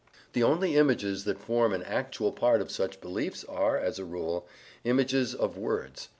The only images that form an actual part of such beliefs are, as a rule, images of words.